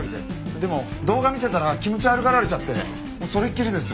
でも動画見せたら気持ち悪がられちゃってそれっきりですよ。